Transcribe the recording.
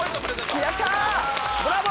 やったー。